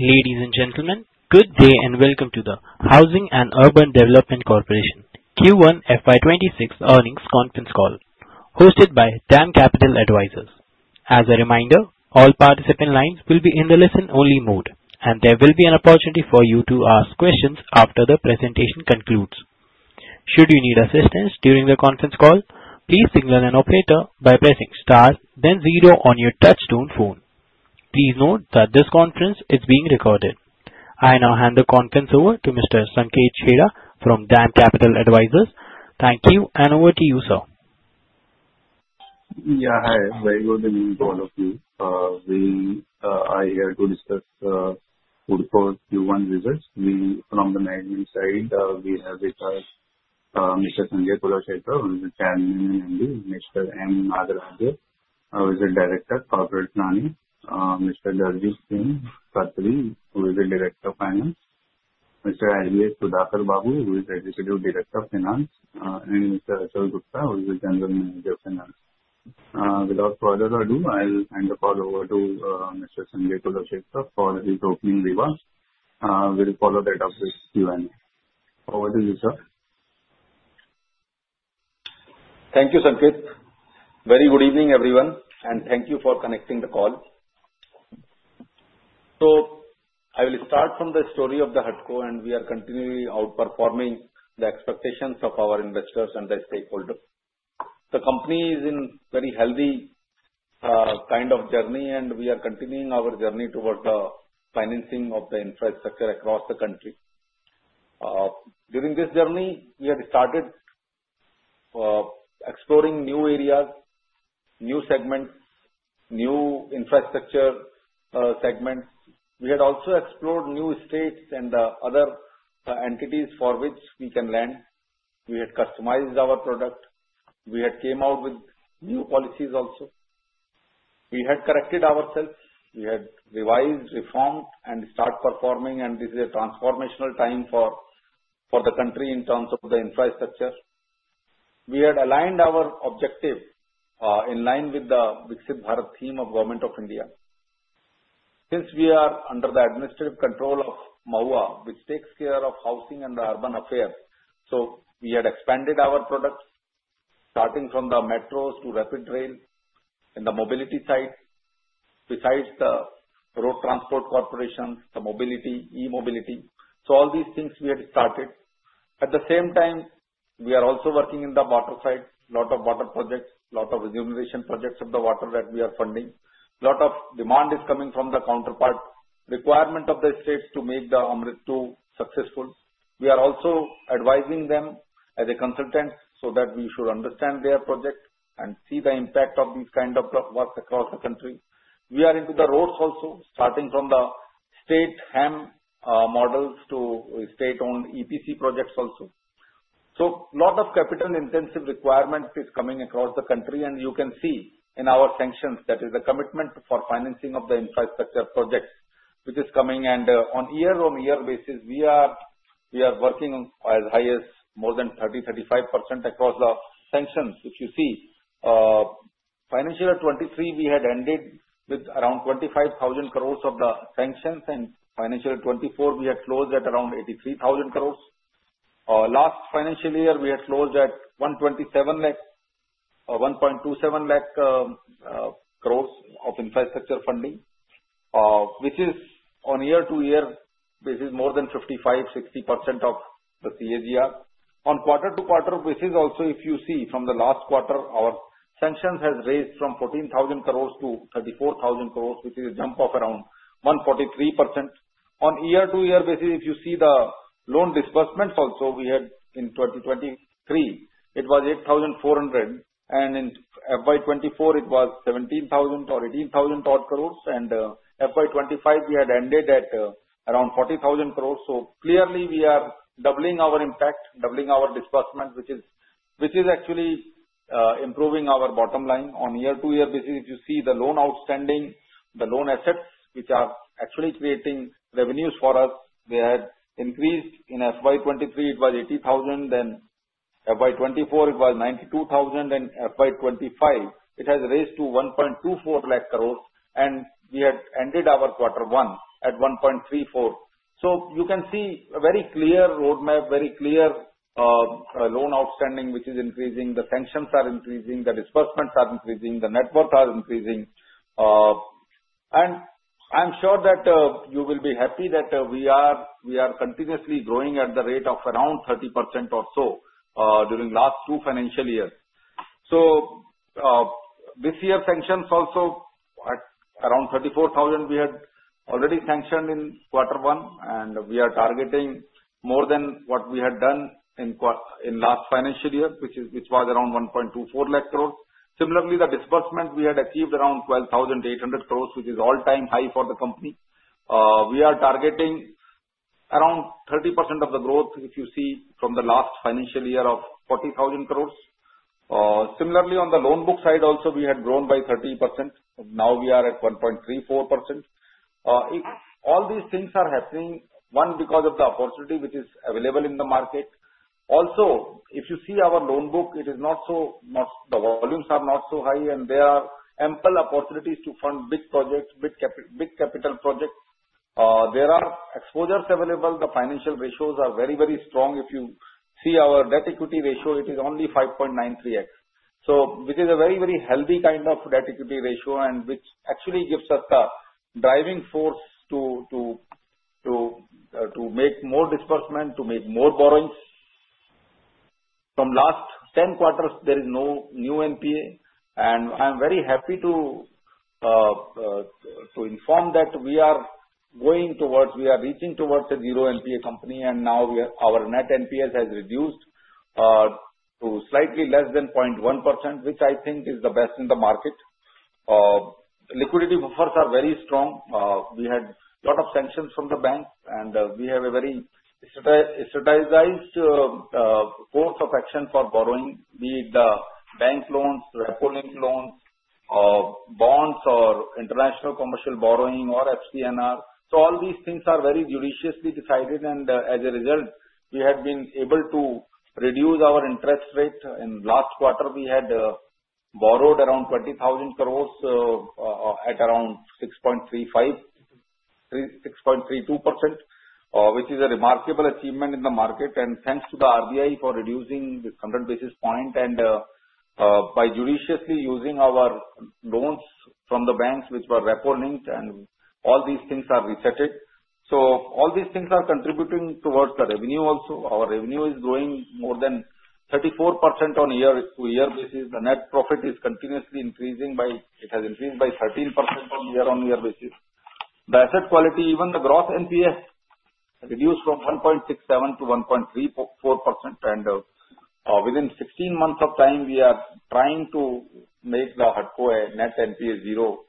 Ladies and gentlemen, good day and welcome to the Housing and Urban Development Corporation Q1 FY26 earnings conference call, hosted by DAM Capital Advisors. As a reminder, all participant lines will be in the listen-only mode, and there will be an opportunity for you to ask questions after the presentation concludes. Should you need assistance during the conference call, please signal an operator by pressing star, then zero on your touch-tone phone. Please note that this conference is being recorded. I now hand the conference over to Mr. Sanket Chheda from DAM Capital Advisors. Thank you, and over to you, sir. Yeah, hi. Very good evening to all of you. We are here to discuss Q1 results. We, from the management side, we have with us Mr. Sanjay Kulshrestha, who is the Chairman and MD, Mr. M. Nagaraj, who is a director of corporate planning, Mr. Daljeet Singh Khatri, who is a director of finance, Mr. V. Sudhakar Babu, who is executive director of finance, and Mr. Achal Gupta, who is a general manager of finance. Without further ado, I'll hand the call over to Mr. Sanjay Kulshrestha for his opening remarks. We'll follow that up with Q&A. Over to you, sir. Thank you, Sanket. Good evening, everyone, and thank you for connecting to the call. I will start from the story of the HUDCO, and we are continually outperforming the expectations of our investors and the stakeholders. The company is in a very healthy kind of journey, and we are continuing our journey towards the financing of the infrastructure across the country. During this journey, we had started exploring new areas, new segments, new infrastructure segments. We had also explored new states and other entities for which we can lend. We had customized our product. We had come out with new policies also. We had corrected ourselves. We had revised, reformed, and started performing, and this is a transformational time for the country in terms of the infrastructure. We had aligned our objective in line with the Viksit Bharat theme of Government of India. Since we are under the administrative control of MoHUA, which takes care of housing and urban affairs, so we had expanded our products, starting from the metros to rapid rail in the mobility side, besides the Road Transport Corporation, the mobility, e-mobility, so all these things we had started. At the same time, we are also working in the water side, a lot of water projects, a lot of rejuvenation projects of the water that we are funding. A lot of demand is coming from the counterpart requirement of the states to make the AMRUT 2.0 successful. We are also advising them as a consultant so that we should understand their project and see the impact of these kinds of works across the country. We are into the roads also, starting from the state HAM models to state-owned EPC projects also. A lot of capital-intensive requirements are coming across the country, and you can see in our sanctions that is the commitment for financing of the infrastructure projects, which is coming, and on a year-on-year basis, we are working as high as more than 30%-35% across the sanctions, which you see. Financial year 2023, we had ended with around 25,000 crores of the sanctions, and financial year 2024, we had closed at around 83,000 crores. Last financial year, we had closed at 1.27 lakh, 1.27 lakh crores of infrastructure funding, which is on year-to-year, this is more than 55%-60% of the CAGR. On quarter-to-quarter basis also, if you see from the last quarter, our sanctions have raised from 14,000 crores to 34,000 crores, which is a jump of around 1.43%. On year-to-year basis, if you see the loan disbursements also, we had in 2023, it was 8,400, and in FY24, it was 17,000 or 18,000 crores, and FY25, we had ended at around 40,000 crores. So clearly, we are doubling our impact, doubling our disbursements, which is actually improving our bottom line. On year-to-year basis, if you see the loan outstanding, the loan assets, which are actually creating revenues for us, they had increased. In FY23, it was 80,000, then FY24, it was 92,000, and FY25, it has raised to 1.24 lakh crores, and we had ended our quarter one at 1.34. So you can see a very clear roadmap, very clear loan outstanding, which is increasing. The sanctions are increasing. The disbursements are increasing. The net worth are increasing. I'm sure that you will be happy that we are continuously growing at the rate of around 30% or so during the last two financial years. So this year, sanctions also at around 34,000 crore, we had already sanctioned in quarter one, and we are targeting more than what we had done in last financial year, which was around 1.24 lakh crores. Similarly, the disbursement we had achieved around 12,800 crores, which is an all-time high for the company. We are targeting around 30% of the growth, if you see, from the last financial year of 40,000 crores. Similarly, on the loan book side also, we had grown by 30%. Now we are at 1.34 lakh crores. All these things are happening, one, because of the opportunity which is available in the market. Also, if you see our loan book, it is not so, the volumes are not so high, and there are ample opportunities to fund big projects, big capital projects. There are exposures available. The financial ratios are very, very strong. If you see our debt equity ratio, it is only 5.93x. So this is a very, very healthy kind of debt equity ratio, and which actually gives us the driving force to make more disbursement, to make more borrowings. From the last 10 quarters, there is no new NPA, and I'm very happy to inform that we are going towards, we are reaching towards a zero NPA company, and now our net NPA has reduced to slightly less than 0.1%, which I think is the best in the market. Liquidity buffers are very strong. We had a lot of sanctions from the banks, and we have a very strategized course of action for borrowing, be it the bank loans, repo-linked loans, bonds, or international commercial borrowing, or FCNR. So all these things are very judiciously decided, and as a result, we had been able to reduce our interest rate. In the last quarter, we had borrowed around 20,000 crores at around 6.32%, which is a remarkable achievement in the market, and thanks to the RBI for reducing the 100 basis points and by judiciously using our loans from the banks, which were repo-linked, and all these things are reset. So all these things are contributing towards the revenue also. Our revenue is growing more than 34% on a year-to-year basis. The net profit is continuously increasing by, it has increased by 13% on a year-on-year basis. The asset quality, even the gross NPA, reduced from 1.67%-1.34%, and within 16 months of time, we are trying to make the HUDCO net NPA zero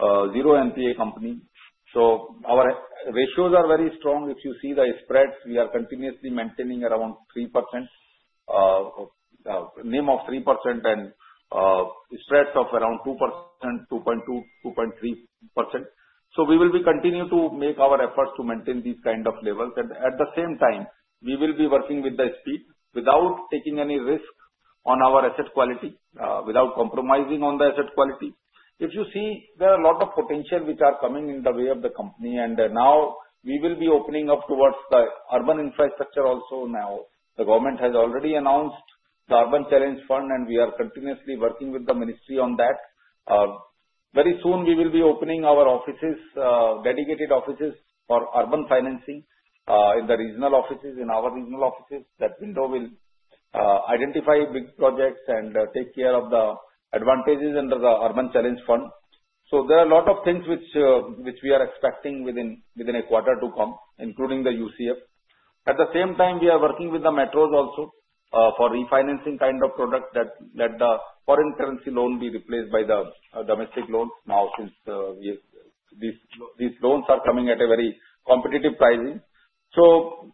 NPA company. So our ratios are very strong. If you see the spreads, we are continuously maintaining around 3%, NIM of 3%, and spreads of around 2%, 2.2%, 2.3%. So we will continue to make our efforts to maintain these kinds of levels, and at the same time, we will be working with the speed without taking any risk on our asset quality, without compromising on the asset quality. If you see, there are a lot of potential which are coming in the way of the company, and now we will be opening up towards the urban infrastructure also. Now, the government has already announced the Urban Challenge Fund, and we are continuously working with the ministry on that. Very soon, we will be opening our offices, dedicated offices for urban financing in the regional offices, in our regional offices. That window will identify big projects and take care of the advantages under the Urban Challenge Fund. So there are a lot of things which we are expecting within a quarter to come, including the VGF. At the same time, we are working with the metros also for refinancing kind of product that let the foreign currency loan be replaced by the domestic loan. Now, since these loans are coming at a very competitive pricing, so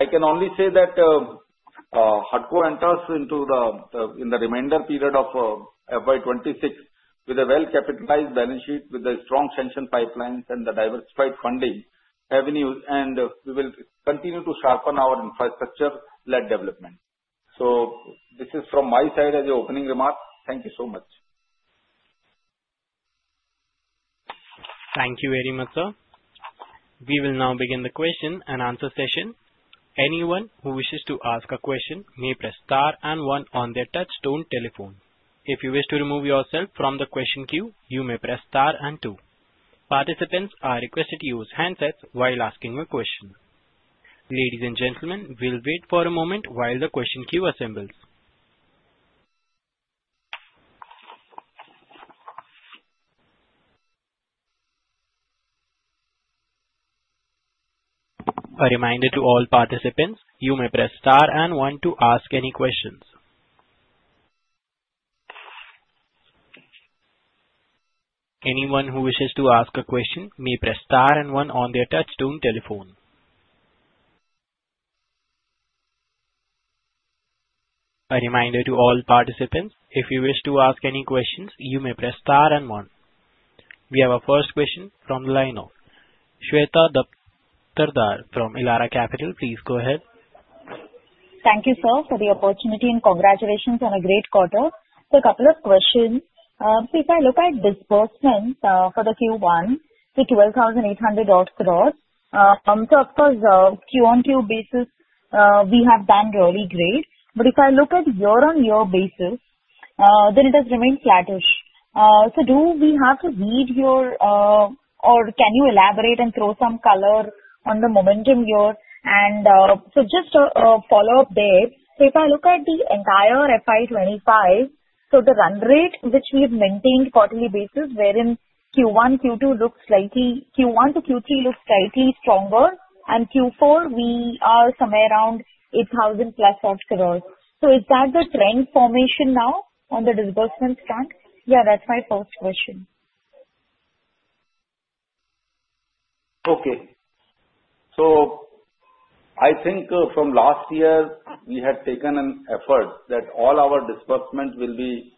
I can only say that HUDCO enters into the remainder period of FY26 with a well-capitalized balance sheet, with the strong sanction pipelines and the diversified funding avenues, and we will continue to sharpen our infrastructure-led development. So this is from my side as an opening remark. Thank you so much. Thank you very much, sir. We will now begin the question and answer session. Anyone who wishes to ask a question may press star and one on their touch-tone telephone. If you wish to remove yourself from the question queue, you may press star and two. Participants are requested to use handsets while asking a question. Ladies and gentlemen, we'll wait for a moment while the question queue assembles. A reminder to all participants, you may press star and one to ask any questions. Anyone who wishes to ask a question may press star and one on their touch-tone telephone. A reminder to all participants, if you wish to ask any questions, you may press star and one. We have our first question from the line of Shweta Daptardar from Elara Capital. Please go ahead. Thank you, sir, for the opportunity and congratulations on a great quarter. So a couple of questions. So if I look at disbursements for the Q1, the 12,800 crores, so of course, Q on Q basis, we have done really great. But if I look at year-on-year basis, then it has remained flattish. So do we have to read your, or can you elaborate and throw some color on the momentum here? And so just a follow-up there. So if I look at the entire FY25, so the run rate, which we have maintained quarterly basis, wherein Q1, Q2 looks slightly, Q1-Q3 looks slightly stronger, and Q4, we are somewhere around 8,000+ crores. So is that the trend formation now on the disbursement front? Yeah, that's my first question. Okay. So I think from last year, we had taken an effort that all our disbursements will be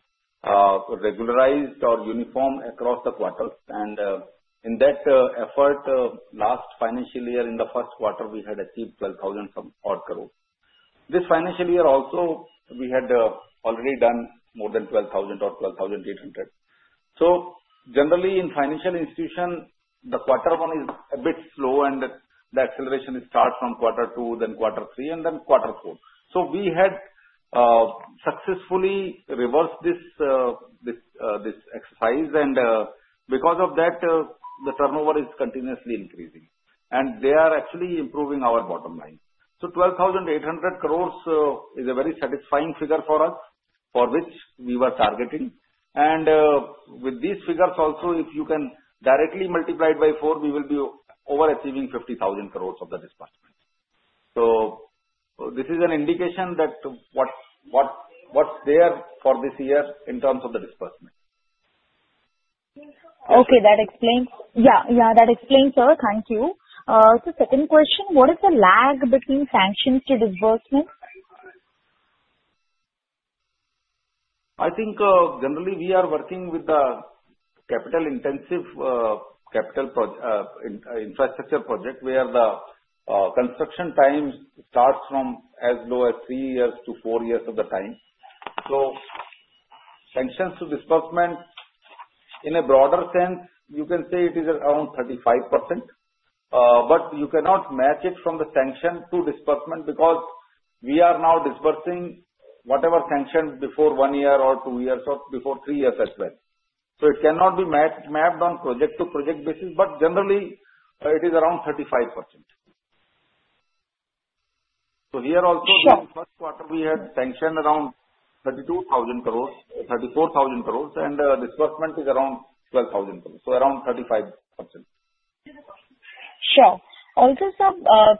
regularized or uniform across the quarters. And in that effort, last financial year, in the first quarter, we had achieved 12,000 crores. This financial year also, we had already done more than 12,000 or 12,800. So generally, in financial institution, the quarter one is a bit slow, and the acceleration starts from quarter two, then quarter three, and then quarter four. So we had successfully reversed this exercise, and because of that, the turnover is continuously increasing, and they are actually improving our bottom line. So 12,800 crores is a very satisfying figure for us, for which we were targeting. And with these figures also, if you can directly multiply it by four, we will be overachieving 50,000 crores of the disbursement. So this is an indication that what's there for this year in terms of the disbursement. Okay, that explains. Yeah, yeah, that explains, sir. Thank you. So second question, what is the lag between sanctions to disbursement? I think generally, we are working with the capital-intensive infrastructure project, where the construction time starts from as low as three years to four years of the time. So sanctions to disbursement, in a broader sense, you can say it is around 35%, but you cannot match it from the sanction to disbursement because we are now disbursing whatever sanction before one year or two years or before three years as well. So it cannot be mapped on project-to-project basis, but generally, it is around 35%. So here also, in the first quarter, we had sanctioned around 32,000 crores, 34,000 crores, and disbursement is around 12,000 crores, so around 35%. Sure. Also, sir,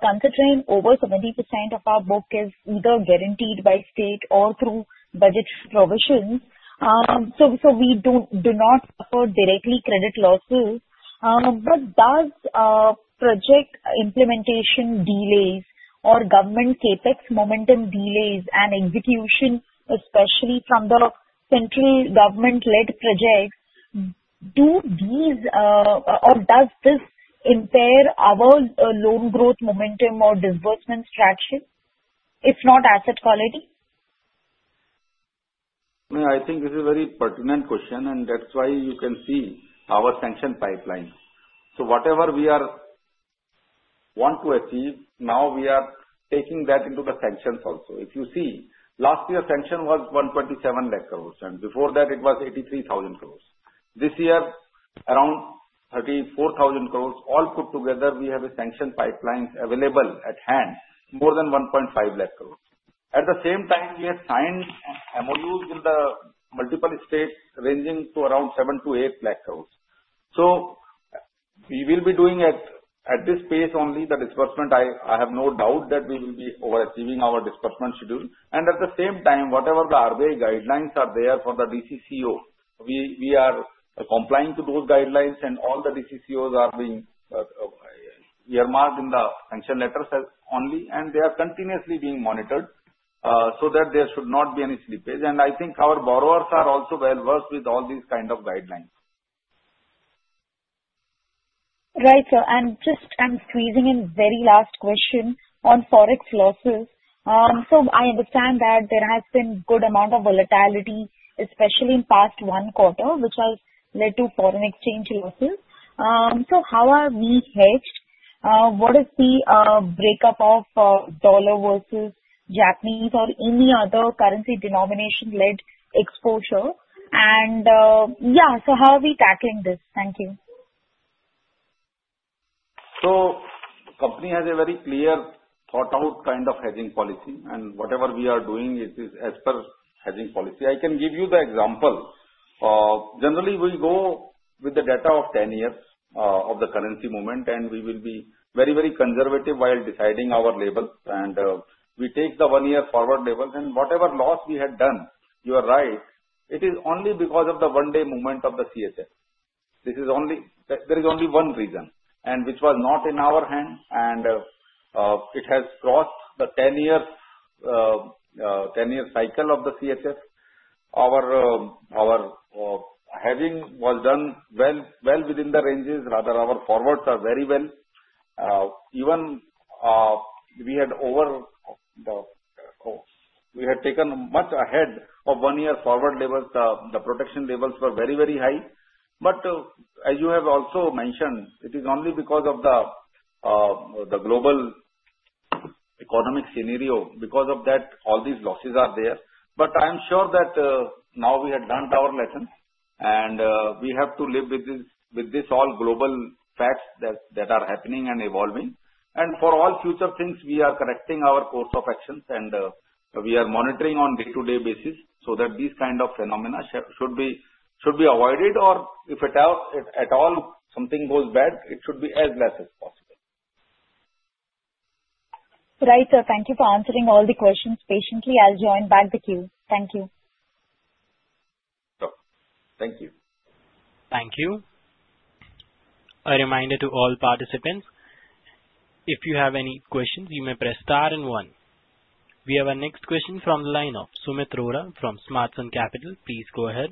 considering over 70% of our book is either guaranteed by state or through budget provisions, so we do not suffer directly credit losses, but does project implementation delays or government CapEx momentum delays and execution, especially from the central government-led projects, do these or does this impair our loan growth momentum or disbursement structure? If not, asset quality? I think this is a very pertinent question, and that's why you can see our sanction pipeline. So whatever we want to achieve, now we are taking that into the sanctions also. If you see, last year, sanction was 127 lakh crores, and before that, it was 83,000 crores. This year, around 34,000 crores, all put together, we have a sanction pipeline available at hand, more than 1.5 lakh crores. At the same time, we have signed MOUs in the multiple states ranging to around 7-8 lakh crores. So we will be doing at this pace only the disbursement. I have no doubt that we will be overachieving our disbursement schedule. And at the same time, whatever the RBI guidelines are there for the DCCO, we are complying to those guidelines, and all the DCCOs are being earmarked in the sanction letters only, and they are continuously being monitored so that there should not be any slippage. And I think our borrowers are also well-versed with all these kinds of guidelines. Right, sir. And just I'm squeezing in very last question on forex losses. So I understand that there has been a good amount of volatility, especially in past one quarter, which has led to foreign exchange losses. So how are we hedged? What is the breakup of dollar versus Japanese or any other currency denomination-led exposure? And yeah, so how are we tackling this? Thank you. The company has a very clear thought-out kind of hedging policy, and whatever we are doing is as per hedging policy. I can give you the example. Generally, we go with the data of 10 years of the currency movement, and we will be very, very conservative while deciding our levels. And we take the one-year forward levels, and whatever loss we had done, you are right, it is only because of the one-day movement of the CHF. This is only, there is only one reason, and which was not in our hand, and it has crossed the 10-year cycle of the CHF. Our hedging was done well within the ranges. Rather, our forwards are very well. Even we had over, we had taken much ahead of one-year forward levels. The protection levels were very, very high. But as you have also mentioned, it is only because of the global economic scenario. Because of that, all these losses are there. But I am sure that now we have learned our lesson, and we have to live with this all global facts that are happening and evolving. And for all future things, we are correcting our course of actions, and we are monitoring on a day-to-day basis so that these kinds of phenomena should be avoided, or if at all something goes bad, it should be as less as possible. Right, sir. Thank you for answering all the questions patiently. I'll join back the queue. Thank you. Sure. Thank you. Thank you. A reminder to all participants, if you have any questions, you may press star and one. We have our next question from the line of Sumit Rohra from Elara Capital. Please go ahead.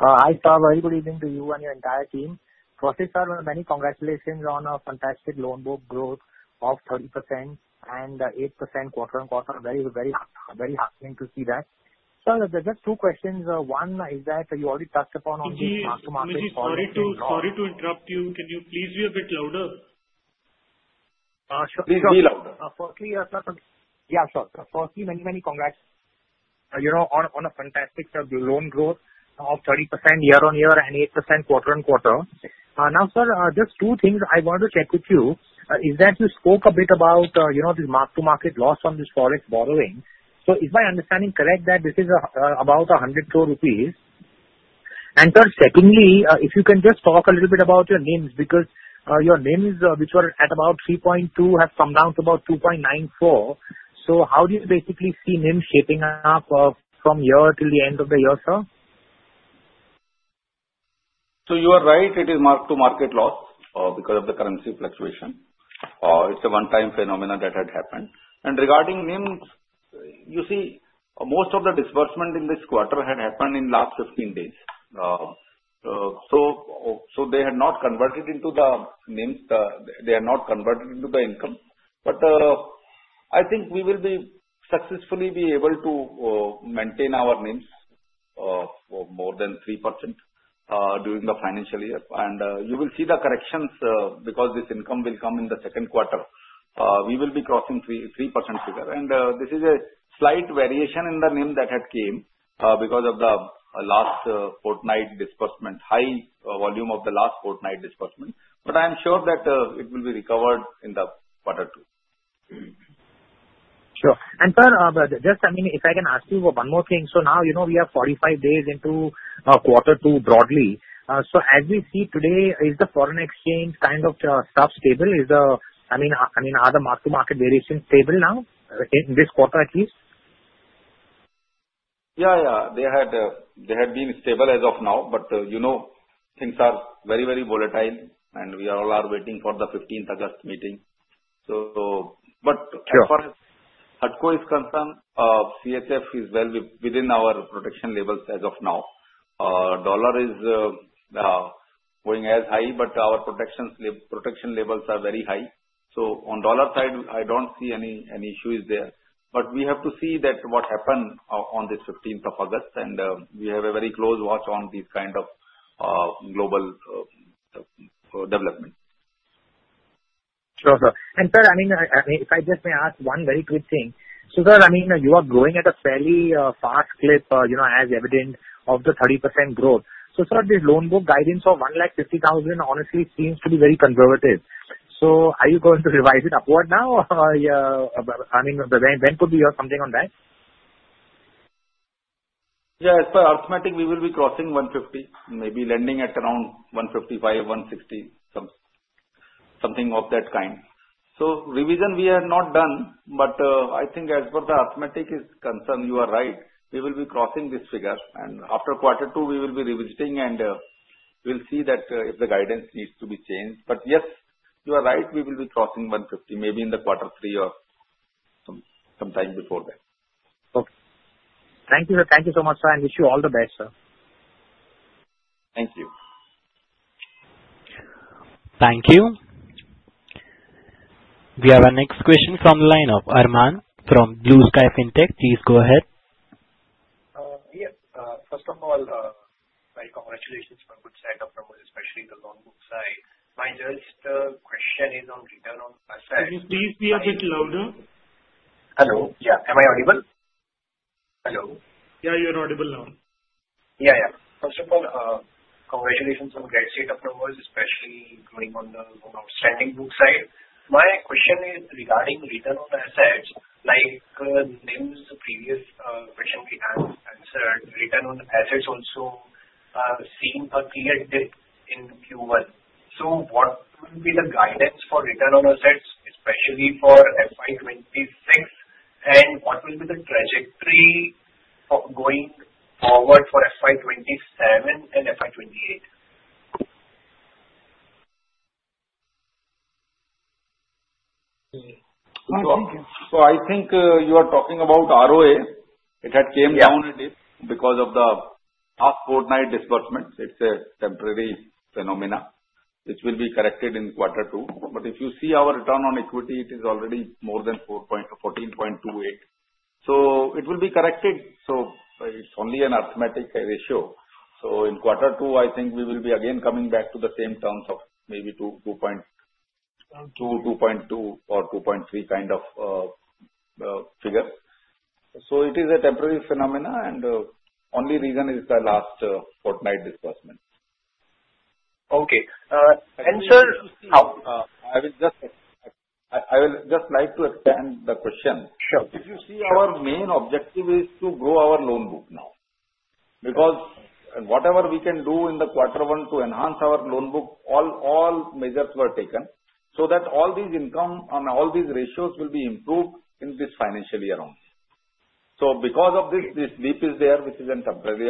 Hi, sir. Very good evening to you and your entire team. Firstly, sir, many congratulations on a fantastic loan book growth of 30% and 8% quarter-on-quarter. Very, very heartening to see that. Sir, there's just two questions. One is that you already touched upon the aftermarket foreign exchange loss. Hey, sorry to interrupt you. Can you please be a bit louder? Sure. Be louder. Firstly, sir, yeah, sure. Firstly, many, many congratulations on a fantastic loan growth of 30% year on year and 8% quarter-on-quarter. Now, sir, just two things I wanted to check with you. Is that you spoke a bit about this mark-to-market loss on this forex borrowing? So is my understanding correct that this is about 100 crore rupees? And sir, secondly, if you can just talk a little bit about your NIMs because your NIMs, which were at about 3.2, have come down to about 2.94. So how do you basically see NIMs shaping up from year till the end of the year, sir? You are right. It is mark-to-market loss because of the currency fluctuation. It's a one-time phenomenon that had happened. Regarding NIMs, you see, most of the disbursement in this quarter had happened in the last 15 days. They had not converted into the NIMs. They had not converted into the income. I think we will successfully be able to maintain our NIMs for more than 3% during the financial year. You will see the corrections because this income will come in the second quarter. We will be crossing 3% figure. This is a slight variation in the NIM that had come because of the last fortnight disbursement, high volume of the last fortnight disbursement. I am sure that it will be recovered in the quarter two. Sure. And sir, just, I mean, if I can ask you one more thing. So now we have 45 days into quarter two broadly. So as we see today, is the foreign exchange kind of stuff stable? I mean, are the mark-to-market variations stable now in this quarter, at least? Yeah, yeah. They had been stable as of now, but things are very, very volatile, and we all are waiting for the 15th August meeting. But as far as HUDCO is concerned, CHF is well within our protection labels as of now. Dollar is going as high, but our protection labels are very high. So on dollar side, I don't see any issues there. But we have to see what happens on this 15th of August, and we have a very close watch on these kinds of global developments. Sure, sir. And sir, I mean, if I just may ask one very quick thing. So sir, I mean, you are growing at a fairly fast clip, as evident of the 30% growth. So sir, this loan book guidance of 150,000 honestly seems to be very conservative. So are you going to revise it upward now? I mean, when could be something on that? Yeah, as per arithmetic, we will be crossing 150, maybe lending at around 155-160, something of that kind. So revision we have not done, but I think as per the arithmetic is concerned, you are right. We will be crossing this figure. And after quarter two, we will be revisiting, and we'll see if the guidance needs to be changed. But yes, you are right. We will be crossing 150, maybe in the quarter three or sometime before that. Okay. Thank you, sir. Thank you so much, sir. I wish you all the best, sir. Thank you. Thank you. We have our next question from the line of Arman from Blue Sky Fintech. Please go ahead. Yes. First of all, my congratulations from a good side of the world, especially the loan book side. My first question is on Return on Assets. Can you please be a bit louder? Hello. Yeah. Am I audible? Hello. Yeah, you're audible now. Yeah, yeah. First of all, congratulations on great set of results, especially going on the outstanding book side. My question is regarding return on assets, like NIMs. The previous question we answered, return on assets also seen a clear dip in Q1. So what will be the guidance for return on assets, especially for FY26? And what will be the trajectory going forward for FY27 and FY28? So I think you are talking about ROA. It had come down a bit because of the last fortnight disbursement. It's a temporary phenomenon. It will be corrected in quarter two. But if you see our return on equity, it is already more than 14.28. So it will be corrected. So it's only an arithmetic ratio. So in quarter two, I think we will be again coming back to the same terms of maybe 2.2 or 2.3 kind of figure. So it is a temporary phenomenon, and the only reason is the last fortnight disbursement. Okay. And, sir. I will just like to extend the question. If you see, our main objective is to grow our loan book now. Because whatever we can do in the quarter one to enhance our loan book, all measures were taken so that all these income and all these ratios will be improved in this financial year only. So because of this, this dip is there, which is a temporary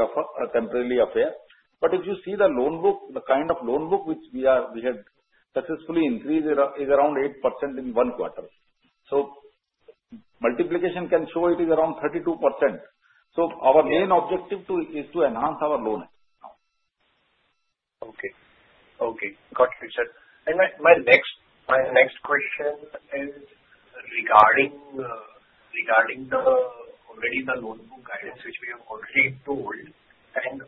affair. But if you see the loan book, the kind of loan book which we had successfully increased is around 8% in one quarter. So multiplication can show it is around 32%. So our main objective is to enhance our loan now. Okay. Okay. Got you, sir. And my next question is regarding already the loan book guidance, which we have already told. And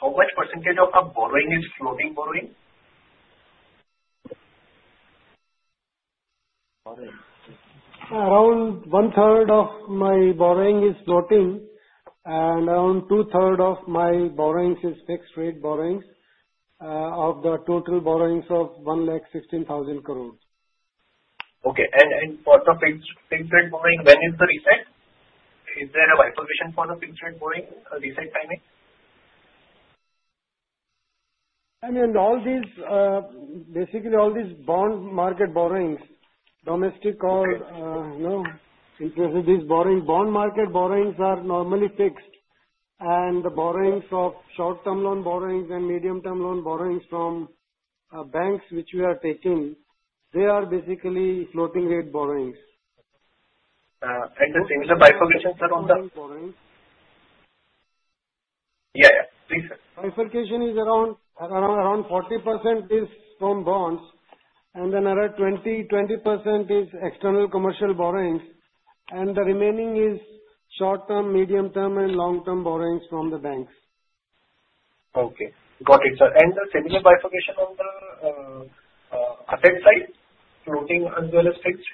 how much percentage of our borrowing is floating borrowing? Around one-third of my borrowing is floating, and around two-thirds of my borrowings is fixed-rate borrowings of the total borrowings of 116,000 crores. Okay. And for the fixed-rate borrowing, when is the reset? Is there a bifurcation for the fixed-rate borrowing, reset timing? I mean, basically, all these bond market borrowings, domestic or, no, interest rate-based borrowings, bond market borrowings are normally fixed. And the borrowings of short-term loan borrowings and medium-term loan borrowings from banks which we are taking, they are basically floating-rate borrowings. The bifurcation, sir, on the. Floating-rate borrowings. Yeah, yeah. Please, sir. Bifurcation is around 40% is from bonds, and then another 20% is External Commercial Borrowings, and the remaining is short-term, medium-term, and long-term borrowings from the banks. Okay. Got it, sir. And the semi-bifurcation on the asset side, floating as well as fixed?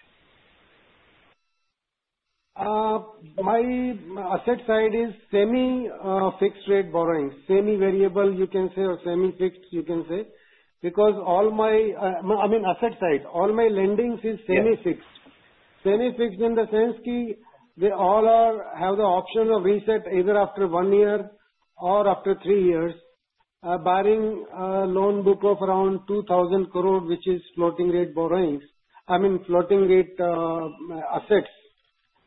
My asset side is semi-fixed-rate borrowings, semi-variable, you can say, or semi-fixed, you can say. Because all my, I mean, asset side, all my lendings is semi-fixed. Semi-fixed in the sense that they all have the option of reset either after one year or after three years, barring a loan book of around 2,000 crore, which is floating-rate borrowings, I mean, floating-rate assets.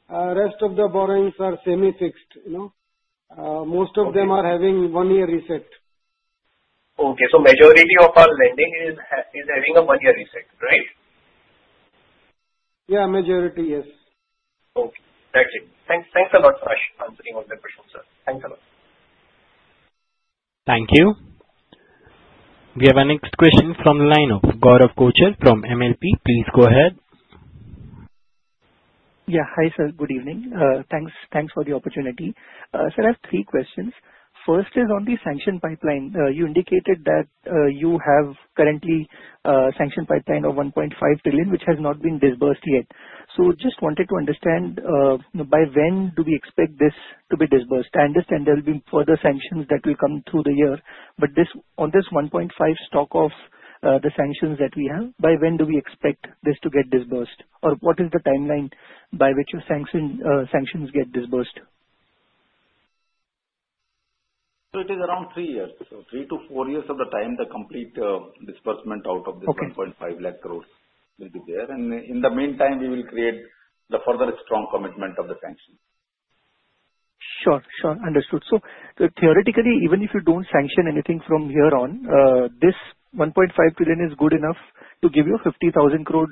The rest of the borrowings are semi-fixed. Most of them are having one-year reset. Okay. So the majority of our lending is having a one-year reset, right? Yeah, majority, yes. Okay. Exactly. Thanks a lot, sir, for answering all the questions, sir. Thanks a lot. Thank you. We have our next question from the line of Gaurav Kochar from Mirae Asset Capital Markets. Please go ahead. Yeah. Hi, sir. Good evening. Thanks for the opportunity. Sir, I have three questions. First is on the sanction pipeline. You indicated that you have currently a sanction pipeline of 1.5 trillion, which has not been disbursed yet. So just wanted to understand, by when do we expect this to be disbursed? I understand there will be further sanctions that will come through the year. But on this 1.5 trillion stock of the sanctions that we have, by when do we expect this to get disbursed? Or what is the timeline by which sanctions get disbursed? So it is around three years. So three-four years of the time, the complete disbursement out of this 1.5 lakh crore will be there. And in the meantime, we will create the further strong commitment of the sanctions. Sure, sure. Understood. So theoretically, even if you don't sanction anything from here on, this 1.5 trillion is good enough to give you a 50,000 crore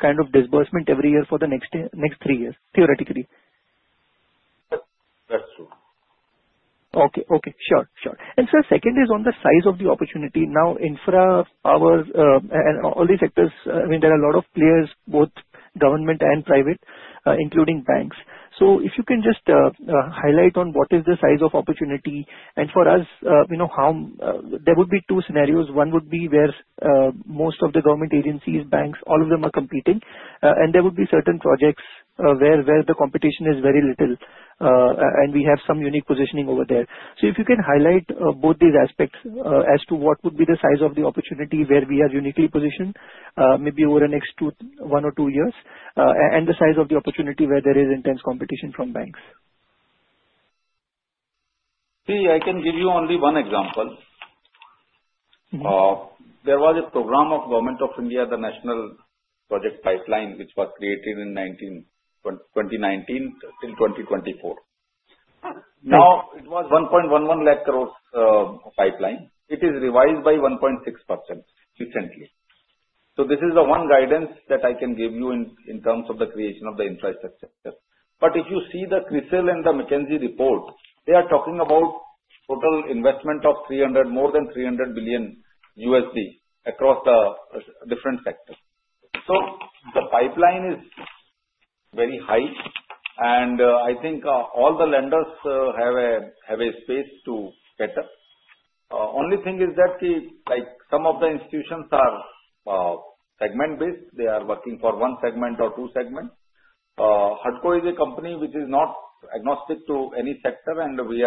kind of disbursement every year for the next three years, theoretically. That's true. Okay. Okay. Sure, sure. And, sir, second is on the size of the opportunity. Now, infra, power, and all these sectors, I mean, there are a lot of players, both government and private, including banks. So if you can just highlight on what is the size of opportunity. And for us, there would be two scenarios. One would be where most of the government agencies, banks, all of them are competing. And there would be certain projects where the competition is very little, and we have some unique positioning over there. So if you can highlight both these aspects as to what would be the size of the opportunity where we are uniquely positioned, maybe over the next one or two years, and the size of the opportunity where there is intense competition from banks. See, I can give you only one example. There was a program of Government of India, the National Project Pipeline, which was created in 2019 till 2024. Now, it was 1.11 lakh crore pipeline. It is revised by 1.6% recently. So this is the one guidance that I can give you in terms of the creation of the infrastructure. But if you see the CRISIL and the McKinsey report, they are talking about total investment of more than $300 billion across the different sectors. So the pipeline is very high, and I think all the lenders have a space to better. The only thing is that some of the institutions are segment-based. They are working for one segment or two segments. HUDCO is a company which is not agnostic to any sector, and we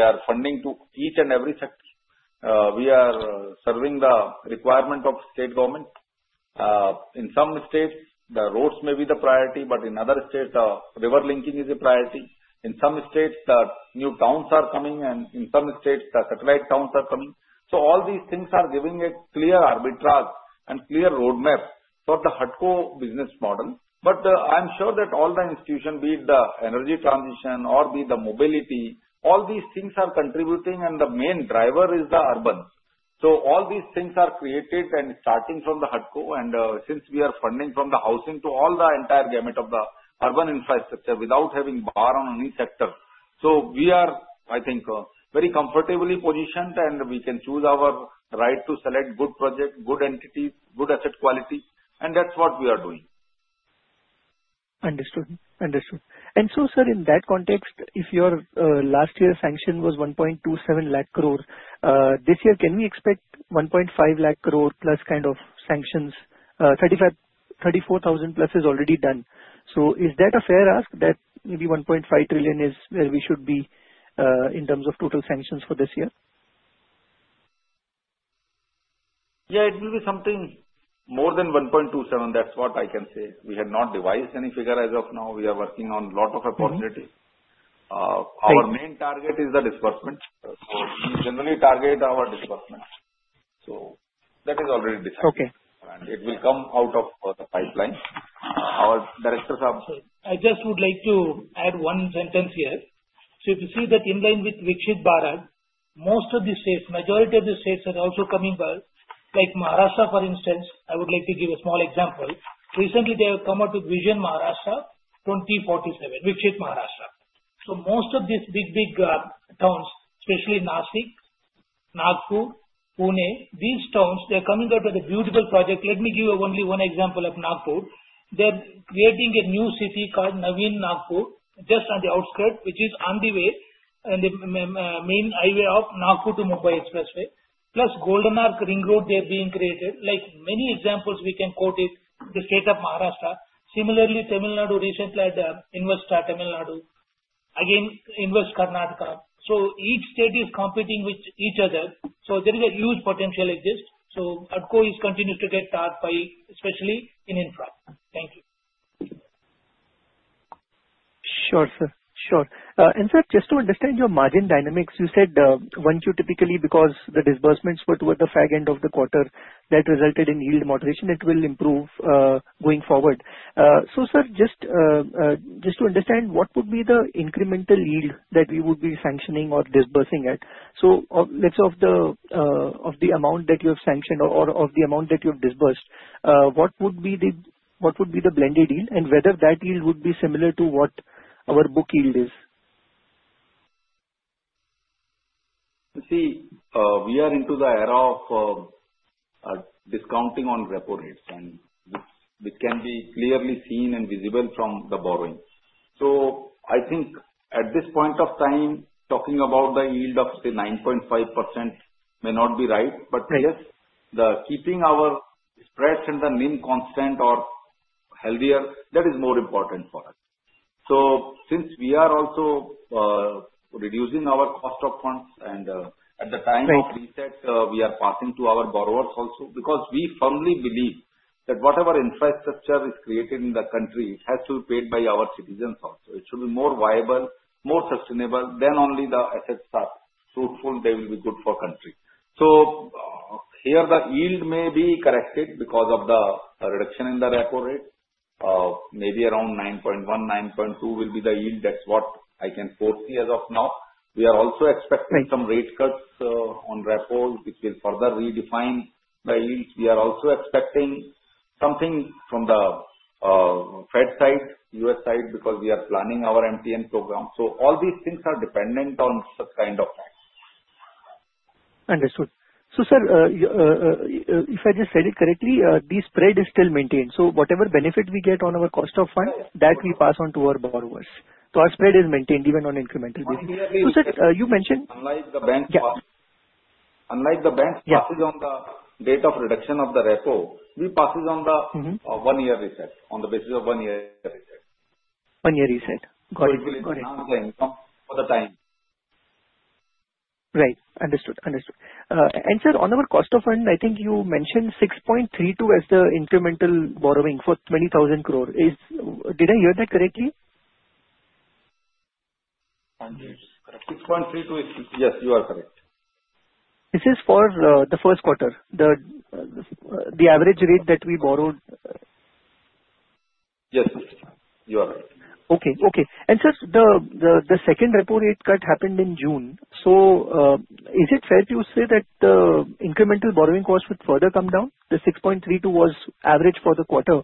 are funding each and every sector. We are serving the requirement of state government. In some states, the roads may be the priority, but in other states, river linking is a priority. In some states, new towns are coming, and in some states, satellite towns are coming. So all these things are giving a clear arbitrage and clear roadmap for the HUDCO business model. But I'm sure that all the institutions, be it the energy transition or be it the mobility, all these things are contributing, and the main driver is the urban. So all these things are created and starting from the HUDCO. And since we are funding from the housing to all the entire gamut of the urban infrastructure without having bar on any sector, so we are, I think, very comfortably positioned, and we can choose our right to select good projects, good entities, good asset quality. And that's what we are doing. Understood. So, sir, in that context, if last year's sanction was 1.27 lakh crore, this year, can we expect 1.5 lakh crore plus kind of sanctions? 34,000 plus is already done. So is that a fair ask that maybe 1.5 trillion is where we should be in terms of total sanctions for this year? Yeah, it will be something more than 1.27. That's what I can say. We have not devised any figure as of now. We are working on a lot of opportunities. Our main target is the disbursement. We generally target our disbursement. So that is already decided. And it will come out of the pipeline. Our directors are. I just would like to add one sentence here. So if you see that in line with Viksit Bharat, most of the states, majority of the states are also coming back, like Maharashtra, for instance. I would like to give a small example. Recently, they have come out with Vision Maharashtra 2047, Viksit Maharashtra. So most of these big, big towns, especially Nashik, Nagpur, Pune, these towns, they are coming up with a beautiful project. Let me give you only one example of Nagpur. They're creating a new city called Navin Nagpur, just on the outskirts, which is on the way, the main highway of Nagpur to Mumbai Expressway. Plus, Golden Arc Ring Road is being created. Like many examples, we can quote the state of Maharashtra. Similarly, Tamil Nadu recently had Invest Tamil Nadu, again, Invest Karnataka. So each state is competing with each other. So there is a huge potential like this. So HUDCO continues to get tapped by, especially in infra. Thank you. Sure, sir. Sure. Sir, just to understand your margin dynamics, you said once you typically, because the disbursements were toward the fag end of the quarter, that resulted in yield moderation, it will improve going forward. Sir, just to understand, what would be the incremental yield that we would be sanctioning or disbursing at? Let's say of the amount that you have sanctioned or of the amount that you have disbursed, what would be the blended yield, and whether that yield would be similar to what our book yield is? See, we are into the era of discounting on repo rates, and this can be clearly seen and visible from the borrowing. So I think at this point of time, talking about the yield of, say, 9.5% may not be right. But yes, keeping our spreads and the NIM constant or healthier, that is more important for us. So since we are also reducing our cost of funds, and at the time of reset, we are passing to our borrowers also. Because we firmly believe that whatever infrastructure is created in the country, it has to be paid by our citizens also. It should be more viable, more sustainable. Then only the assets are fruitful. They will be good for the country. So here, the yield may be corrected because of the reduction in the repo rate. Maybe around 9.1%-9.2% will be the yield. That's what I can foresee as of now. We are also expecting some rate cuts on repo, which will further redefine the yield. We are also expecting something from the Fed side, U.S. side, because we are planning our MTN program. So all these things are dependent on such kind of tack. Understood. So sir, if I just said it correctly, the spread is still maintained. So whatever benefit we get on our cost of fund, that we pass on to our borrowers. So sir, you mentioned. Unlike the bank's pass on the date of reduction of the repo, we pass it on the one-year reset, on the basis of one-year reset. One-year reset. Got it. So it's not the income for the time. Right. Understood. Understood. And sir, on our cost of fund, I think you mentioned 6.32 as the incremental borrowing for 20,000 crore. Did I hear that correctly? 6.32 is yes, you are correct. This is for the first quarter, the average rate that we borrowed. Yes, you are right. Okay. Okay. And sir, the second Repo rate cut happened in June. So is it fair to say that the incremental borrowing cost would further come down? The 6.32 was average for the quarter.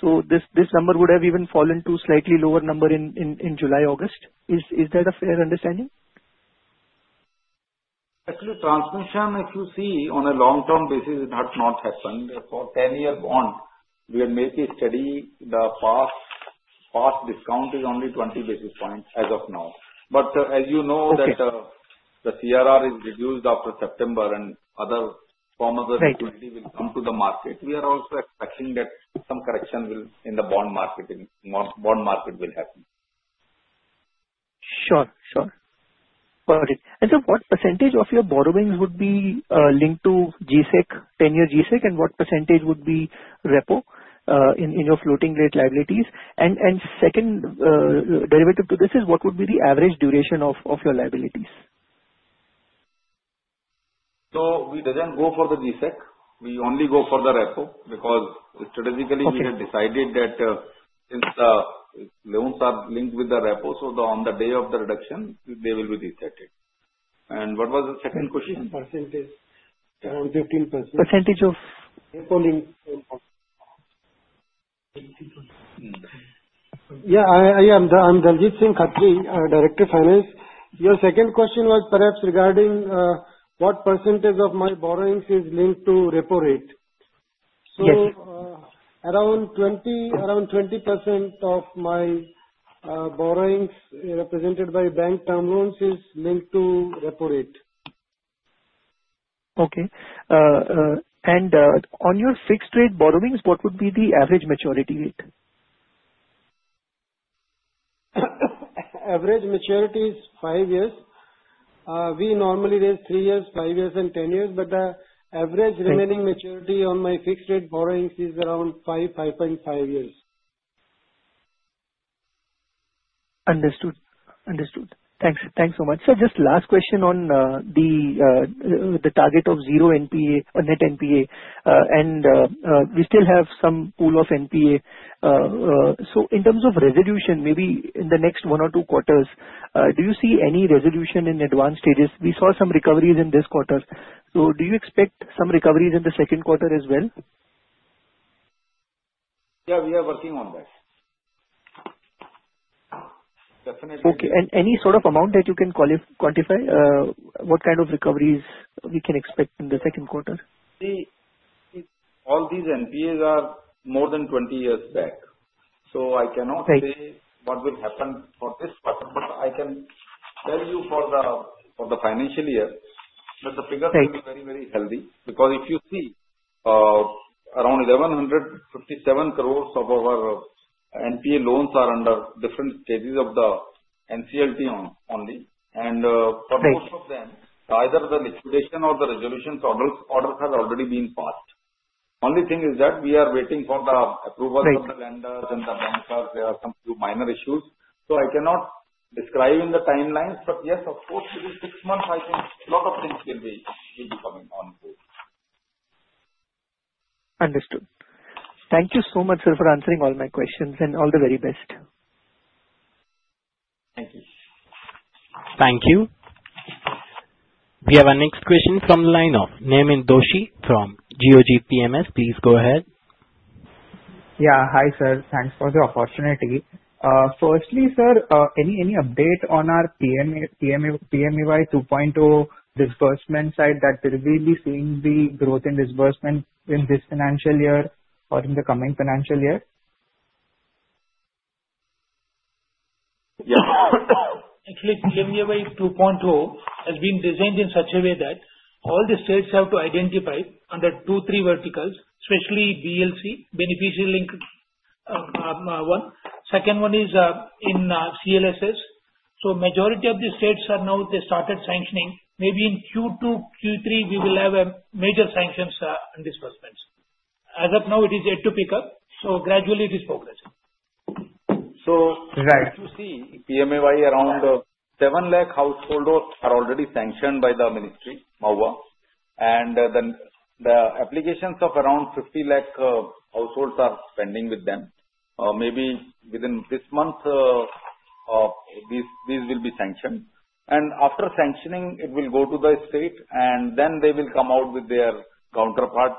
So this number would have even fallen to a slightly lower number in July-August. Is that a fair understanding? Actually, transmission, if you see, on a long-term basis, it has not happened. For 10-year bond, we had made a study. The past discount is only 20 basis points as of now. But as you know, the CRR is reduced after September, and other forms of liquidity will come to the market. We are also expecting that some correction in the bond market will happen. Sure. Sure. Got it. And sir, what percentage of your borrowings would be linked to G-Sec, 10-year G-Sec, and what percentage would be repo in your floating-rate liabilities? And second, derivative to this is, what would be the average duration of your liabilities? So we didn't go for the G-Sec. We only go for the repo because strategically, we had decided that since the loans are linked with the repo, so on the day of the reduction, they will be reset. And what was the second question? Percentage. Around 15%. Percentage of. Repo linked. Yeah. I am Daljeet Singh Khatri, Director of Finance. Your second question was perhaps regarding what percentage of my borrowings is linked to Repo Rate. So around 20% of my borrowings represented by bank term loans is linked to Repo Rate. Okay. And on your fixed-rate borrowings, what would be the average maturity rate? Average maturity is five years. We normally rate three years, five years, and 10 years. But the average remaining maturity on my fixed-rate borrowings is around 5, 5.5 years. Understood. Thanks so much. Sir, just last question on the target of zero NPA or net NPA. And we still have some pool of NPA. So in terms of resolution, maybe in the next one or two quarters, do you see any resolution in advanced stages? We saw some recoveries in this quarter. So do you expect some recoveries in the second quarter as well? Yeah. We are working on that. Definitely. Okay. And any sort of amount that you can quantify? What kind of recoveries we can expect in the second quarter? See, all these NPAs are more than 20 years back. So I cannot say what will happen for this quarter. But I can tell you for the financial year that the figures are very, very healthy. Because if you see, around 1,157 crores of our NPA loans are under different stages of the NCLT only. And for most of them, either the liquidation or the resolution orders have already been passed. Only thing is that we are waiting for the approvals of the lenders and the bankers. There are some minor issues. So I cannot describe in the timelines. But yes, of course, within six months, I think a lot of things will be coming on board. Understood. Thank you so much, sir, for answering all my questions, and all the very best. Thank you. Thank you. We have a next question from the line of Naimin Doshi from 901 PMS. Please go ahead. Yeah. Hi, sir. Thanks for the opportunity. Firstly, sir, any update on our PMAY 2.0 disbursement side that we'll be seeing the growth in disbursement in this financial year or in the coming financial year? Yeah. Actually, PMAY 2.0 has been designed in such a way that all the states have to identify under two, three verticals, especially BLC, beneficiary-linked one. Second one is in CLSS. So majority of the states are now they started sanctioning. Maybe in Q2, Q3, we will have major sanctions on disbursements. As of now, it is yet to pick up. So gradually, it is progressing. So if you see, PMAY, around 7 lakh households are already sanctioned by the Ministry, MoHUA. And the applications of around 50 lakh households are pending with them. Maybe within this month, these will be sanctioned. And after sanctioning, it will go to the state. And then they will come out with their counterpart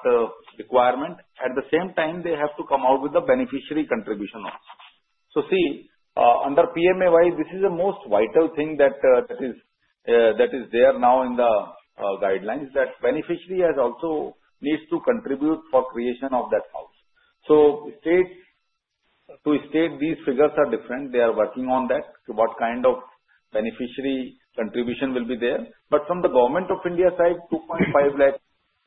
requirement. At the same time, they have to come out with the beneficiary contribution also. So see, under PMAY, this is the most vital thing that is there now in the guidelines that beneficiary also needs to contribute for creation of that house. So to state, these figures are different. They are working on that, what kind of beneficiary contribution will be there. But from the Government of India side, 2.5 lakh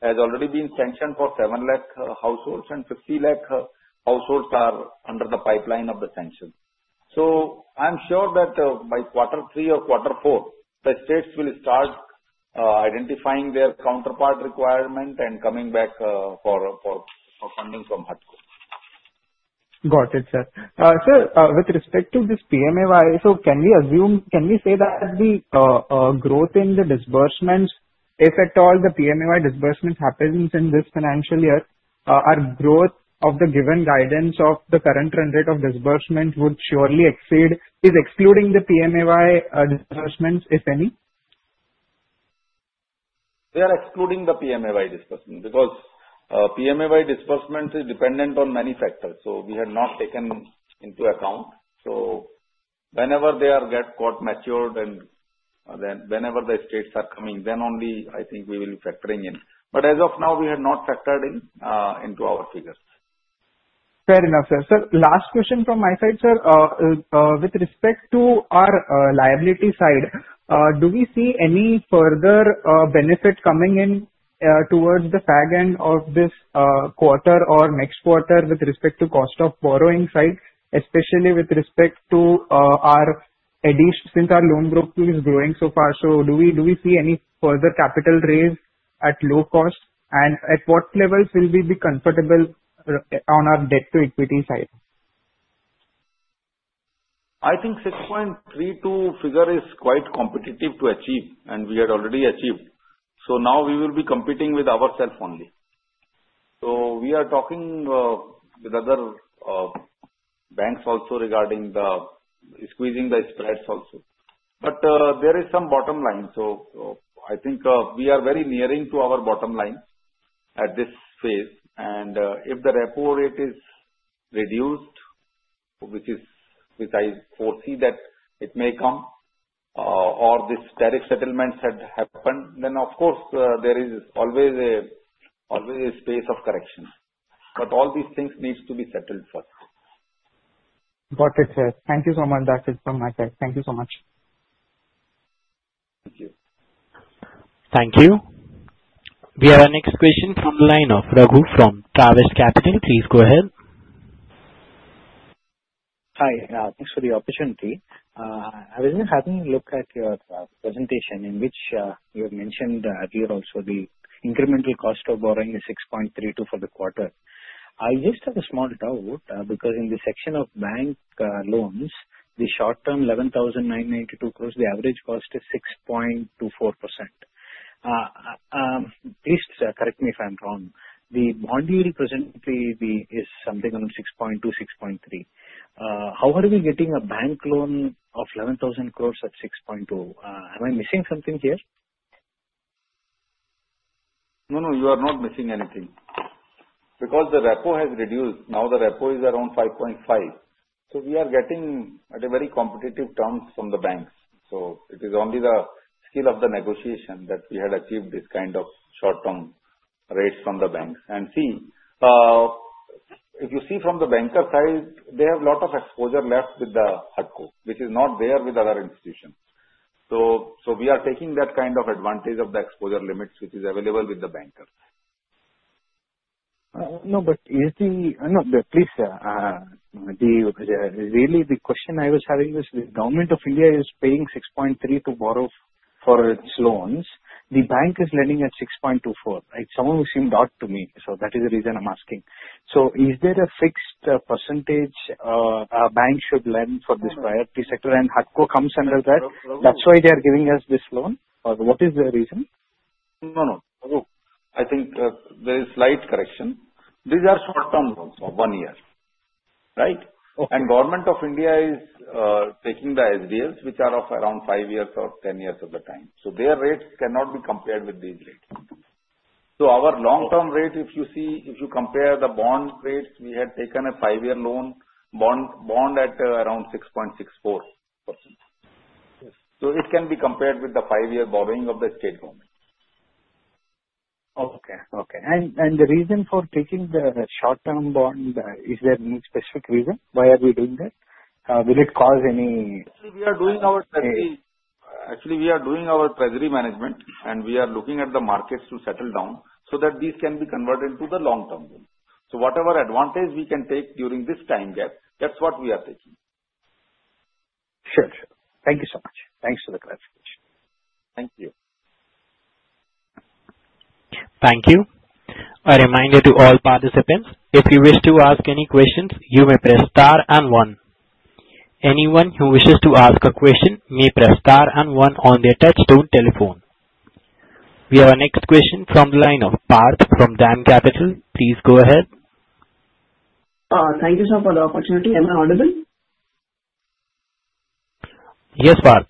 has already been sanctioned for 7 lakh households, and 50 lakh households are under the pipeline of the sanction. So I'm sure that by quarter three or quarter four, the states will start identifying their counterpart requirement and coming back for funding from HUDCO. Got it, sir. Sir, with respect to this PMAY, so can we assume, can we say that the growth in the disbursements, if at all the PMAY disbursements happen in this financial year, our growth of the given guidance of the current rate of disbursement would surely exceed is excluding the PMAY disbursements, if any? We are excluding the PMAY disbursement because PMAY disbursements is dependent on many factors. So we have not taken into account. So whenever they get caught matured and whenever the states are coming, then only I think we will be factoring in. But as of now, we have not factored into our figures. Fair enough, sir. Sir, last question from my side, sir. With respect to our liability side, do we see any further benefit coming in towards the tail end of this quarter or next quarter with respect to cost of borrowing side, especially with respect to our addition since our loan book is growing so far? So do we see any further capital raise at low cost? And at what levels will we be comfortable on our debt-to-equity side? I think 6.32 figure is quite competitive to achieve, and we had already achieved. Now we will be competing with ourselves only. We are talking with other banks also regarding the squeezing the spreads also. There is some bottom line. I think we are very nearing to our bottom line at this phase. If the repo rate is reduced, which is I foresee that it may come, or this direct settlement had happened, then of course, there is always a space of correction. All these things need to be settled first. Got it, sir. Thank you so much, Darshan from my side. Thank you so much. Thank you. Thank you. We have a next question from the line of Raghu from Travis Capital. Please go ahead. Hi. Thanks for the opportunity. I was just having a look at your presentation in which you had mentioned earlier also the incremental cost of borrowing is 6.32% for the quarter. I just have a small doubt because in the section of bank loans, the short-term 11,992 crores, the average cost is 6.24%. Please correct me if I'm wrong. The bond yield presently is something around 6.2%-6.3%. How are we getting a bank loan of 11,000 crores at 6.2%? Am I missing something here? No, no. You are not missing anything. Because the repo has reduced. Now the repo is around 5.5. So we are getting at a very competitive term from the banks. So it is only the skill of the negotiation that we had achieved this kind of short-term rates from the banks. And see, if you see from the banker side, they have a lot of exposure left with the HUDCO, which is not there with other institutions. So we are taking that kind of advantage of the exposure limits which is available with the bankers. No, but please, sir. Really, the question I was having was the Government of India is paying 6.3% to borrow for its loans. The bank is lending at 6.24%. It almost seemed odd to me. So that is the reason I'm asking. Is there a fixed percentage a bank should lend for this priority sector? And HUDCO comes under that. That's why they are giving us this loan? Or what is the reason? No, no. I think there is slight correction. These are short-term loans for one year, right, and Government of India is taking the SDLs, which are of around five years or ten years of the time, so their rates cannot be compared with these rates. So our long-term rate, if you see, if you compare the bond rates, we had taken a five-year loan, bond at around 6.64%, so it can be compared with the five-year borrowing of the state government. Okay. And the reason for taking the short-term bond, is there any specific reason? Why are we doing that? Will it cause any? Actually, we are doing our treasury management, and we are looking at the markets to settle down so that these can be converted into the long-term loan. So whatever advantage we can take during this time gap, that's what we are taking. Sure. Sure. Thank you so much. Thanks for the clarification. Thank you. Thank you. A reminder to all participants, if you wish to ask any questions, you may press star and one. Anyone who wishes to ask a question may press star and one on their touchtone telephone. We have a next question from the line of Parth from DAM Capital. Please go ahead. Thank you, sir, for the opportunity. Am I audible? Yes, Parth.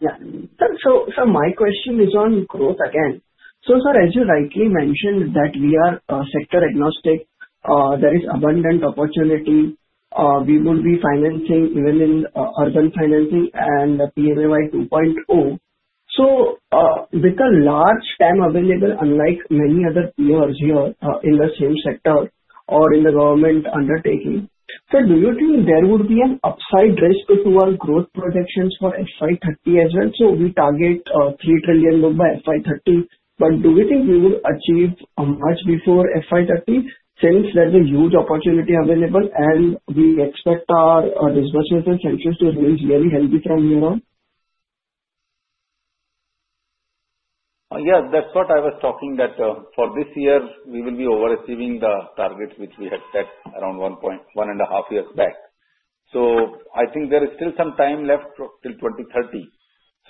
Yeah. Sir, sir, my question is on growth again. So, sir, as you rightly mentioned that we are sector agnostic, there is abundant opportunity. We would be financing even in urban financing and PMAY 2.0. So with a large time available, unlike many other peers here in the same sector or in the government undertaking, sir, do you think there would be an upside risk to our growth projections for FY 2030 as well? So we target 3 trillion by FY 2030. But do we think we would achieve much before FY 2030 since there is a huge opportunity available, and we expect our disbursement and sanctions to remain very healthy from here on? Yes. That's what I was talking that for this year, we will be overseeing the targets which we had set around 1.5 years back. So I think there is still some time left till 2030.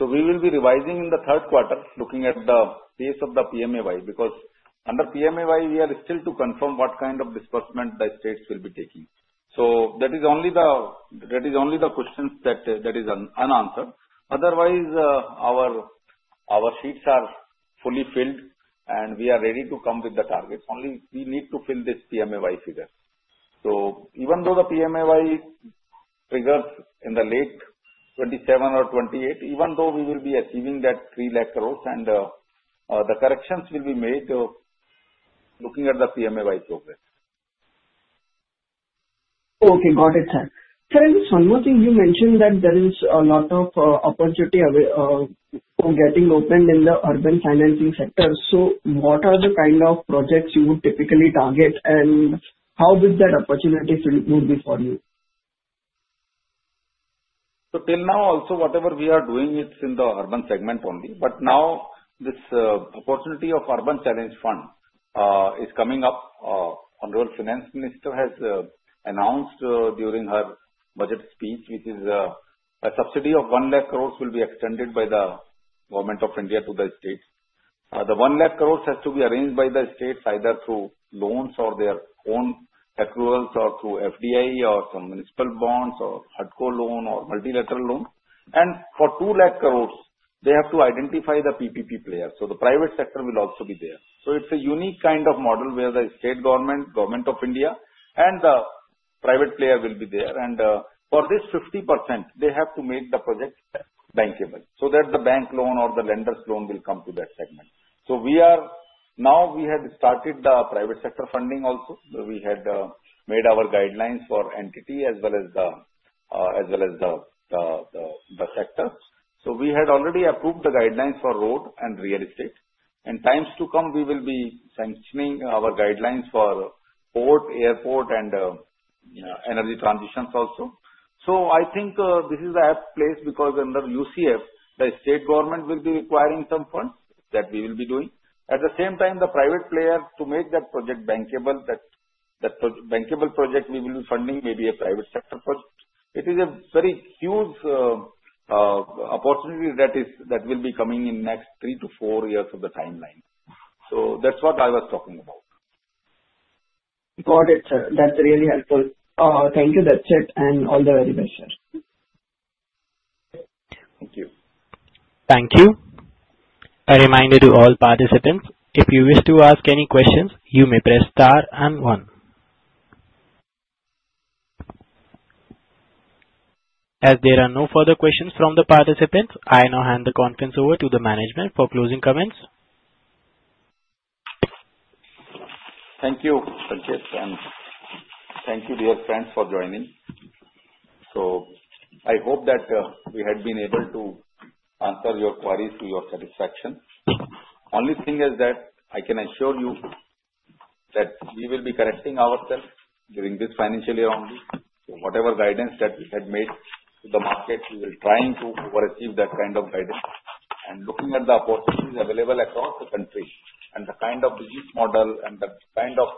So we will be revising in the third quarter, looking at the pace of the PMAY. Because under PMAY, we are still to confirm what kind of disbursement the states will be taking. So that is only the question that is unanswered. Otherwise, our sheets are fully filled, and we are ready to come with the targets. Only we need to fill this PMAY figure. So even though the PMAY figures in the late 2027 or 2028, even though we will be achieving that 3 lakh crores, and the corrections will be made looking at the PMAY progress. Okay. Got it, sir. Sir, I just one more thing. You mentioned that there is a lot of opportunity opening up in the urban financing sector. So what are the kind of projects you would typically target, and how would that opportunity be for you? So till now, also, whatever we are doing, it's in the urban segment only. But now this opportunity of Urban Challenge Fund is coming up. Honourable Finance Minister has announced during her budget speech, which is a subsidy of 1 lakh crores will be extended by the Government of India to the states. The 1 lakh crores has to be arranged by the states either through loans or their own accruals or through FDI or some municipal bonds or HUDCO loan or multilateral loan. And for 2 lakh crores, they have to identify the PPP players. So the private sector will also be there. So it's a unique kind of model where the state government, Government of India, and the private player will be there. And for this 50%, they have to make the project bankable so that the bank loan or the lender's loan will come to that segment. We had started the private sector funding also. We had made our guidelines for entity as well as the sector. We had already approved the guidelines for road and real estate. In times to come, we will be sanctioning our guidelines for port, airport, and energy transitions also. I think this is the apt place because under VGF, the state government will be requiring some funds that we will be doing. At the same time, the private player to make that project bankable, that bankable project we will be funding may be a private sector project. It is a very huge opportunity that will be coming in next three to four years of the timeline, so that's what I was talking about. Got it, sir. That's really helpful. Thank you. That's it. And all the very best, sir. Thank you. Thank you. A reminder to all participants, if you wish to ask any questions, you may press star and one. As there are no further questions from the participants, I now hand the conference over to the management for closing comments. Thank you, Sujit. And thank you, dear friends, for joining. So I hope that we had been able to answer your queries to your satisfaction. Only thing is that I can assure you that we will be correcting ourselves during this financial year only. So whatever guidance that we had made to the market, we will try to oversee that kind of guidance. And looking at the opportunities available across the country and the kind of business model and the kind of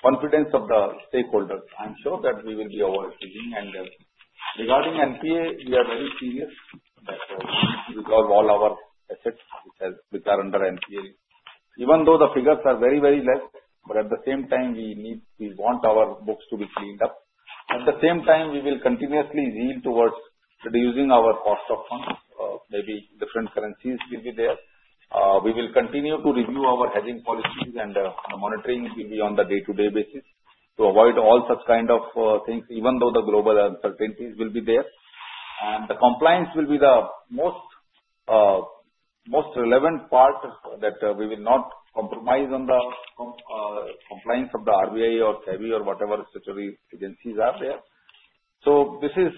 confidence of the stakeholders, I'm sure that we will be overseeing. And regarding NPA, we are very serious that we need to resolve all our assets which are under NPA. Even though the figures are very, very less, but at the same time, we want our books to be cleaned up. At the same time, we will continuously yield towards reducing our cost of funds. Maybe different currencies will be there. We will continue to review our hedging policies, and the monitoring will be on the day-to-day basis to avoid all such kind of things, even though the global uncertainties will be there, and the compliance will be the most relevant part that we will not compromise on the compliance of the RBI or SEBI or whatever security agencies are there, so this is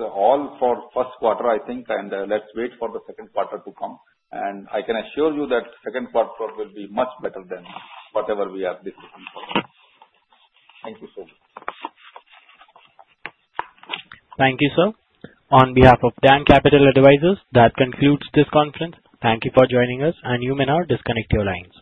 all for first quarter, I think, and let's wait for the second quarter to come, and I can assure you that second quarter will be much better than whatever we are discussing for now. Thank you so much. Thank you, sir. On behalf of DAM Capital Advisors, that concludes this conference. Thank you for joining us, and you may now disconnect your lines.